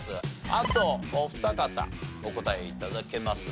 あとお二方お答え頂けますが。